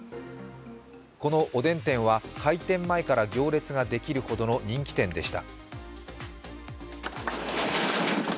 このおでん店は、開店前から行列ができるほどの人気店でした。